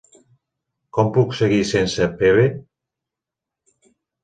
Com puc seguir sense Phebe?